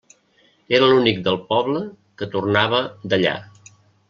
Era l'únic del poble que tornava d'allà.